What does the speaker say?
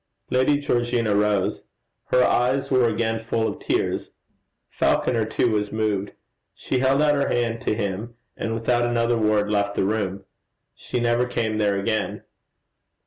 Lady Georgina rose. Her eyes were again full of tears. Falconer too was moved. She held out her hand to him, and without another word left the room. She never came there again.